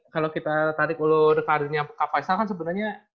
kalau kita tarik ulur ke adanya kapasitas kan sebenarnya